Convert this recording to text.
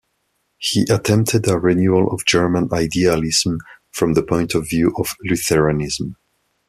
He attempted a renewal of German idealism, from the point of view of Lutheranism.